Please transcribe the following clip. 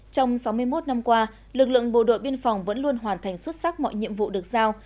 trong sáu mươi một năm qua lực lượng bộ đội biên phòng vẫn luôn hoàn thành xuất sắc mọi nhiệm vụ được giao